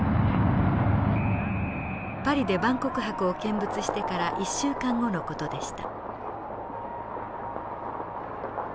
パリで万国博を見物してから１週間後の事でした。